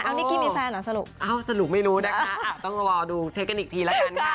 สูตรนี้คือพอร์นัทเขาเรียกว่าคาแรคเตอร์